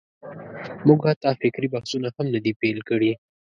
موږ حتی فکري بحثونه هم نه دي پېل کړي.